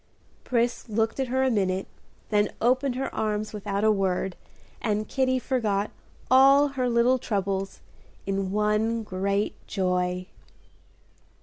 Pris looked at her a minute, then opened her arms without a word, and Kitty forgot all her little troubles in one great joy.